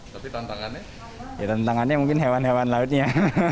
tapi tantangannya ya tantangannya mungkin hewan hewan lautnya